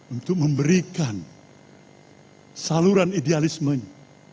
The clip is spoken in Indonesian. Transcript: untuk memberikan saluran idealismenya